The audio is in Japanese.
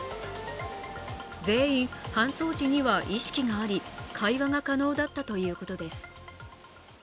全員、搬送時には意識があり会話が可能だったということです。